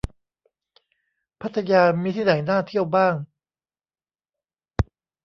พัทยามีที่ไหนน่าเที่ยวบ้าง